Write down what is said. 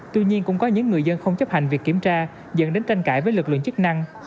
tuy nhiên cũng có những người dân không chấp hành việc kiểm tra dẫn đến tranh cãi với lực lượng chức năng